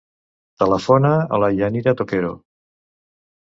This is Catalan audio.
Telefona a la Yanira Toquero.